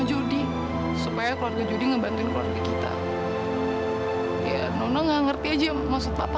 lu sekarang udah gede udah perjaga